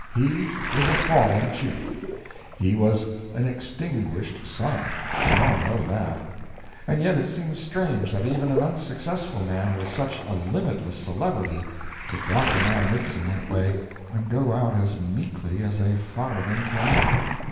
He was a fallen Chief, he was an extinguished sun—we all know that—and yet it seemed strange that even an unsuccessful man, with such a limitless celebrity, could drop in our midst in that way, and go out as meekly as a farthing candle.